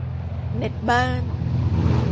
เน็ตบ้าน